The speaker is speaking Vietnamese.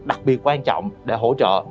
đặc biệt quan trọng để hỗ trợ